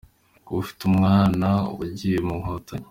Kuba ufite umwana wagiye mu nkotanyi